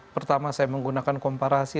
pertama saya menggunakan komparasi